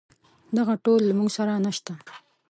دغه ټول له موږ سره نشته.